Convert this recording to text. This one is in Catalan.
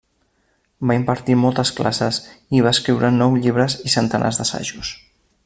Va impartir moltes classes i va escriure nou llibres i centenars d'assajos.